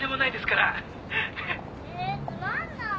えつまんない。